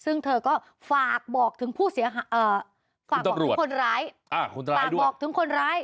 ซึ่งเธอก็ฝากบอกถึงคนร้าย